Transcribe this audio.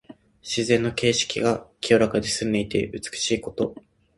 自然の景色が清らかで澄んでいて美しいこと。